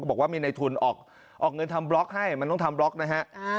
บอกว่ามีในทุนออกเงินทำบล็อกให้มันต้องทำบล็อกนะฮะ